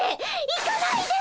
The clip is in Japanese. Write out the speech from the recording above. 行かないで！